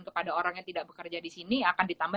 kepada orang yang tidak bekerja disini akan ditambah